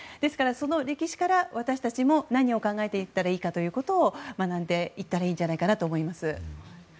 その歴史から私たちも何を考えていったらいいかを学んでいったらいいんじゃないかと思います。